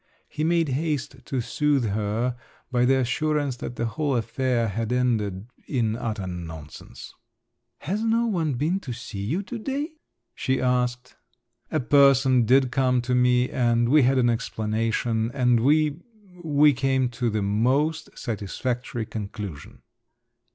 He made haste to soothe her by the assurance that the whole affair had ended … in utter nonsense. "Has no one been to see you to day?" she asked. "A person did come to me and we had an explanation, and we … we came to the most satisfactory conclusion."